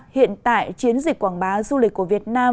hiện tại chiến dịch quảng bá du lịch của việt nam